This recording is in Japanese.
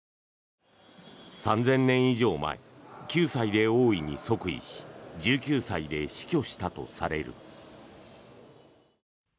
３０００年以上前９歳で王位に即位し１９歳で死去したとされる。